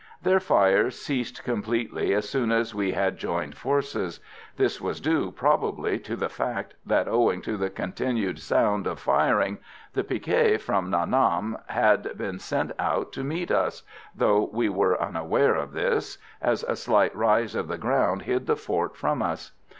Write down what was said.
Their fire ceased completely, as soon as we had joined forces. This was due, probably, to the fact that, owing to the continued sound of firing, the picquet from Nha Nam had been sent out to meet us though we were unaware of this, as a slight rise of the ground hid the fort from us.